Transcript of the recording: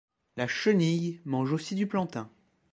La chenille mange aussi du plantain.